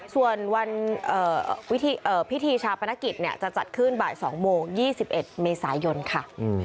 ส่วนวันพิธีชาปนกิจจะจัดขึ้นบ่าย๒โมง๒๑เมษายนค่ะ